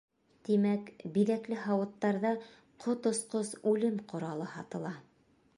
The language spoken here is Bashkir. Тимәк, биҙәкле һауыттарҙа ҡот осҡос үлем ҡоралы һатыла.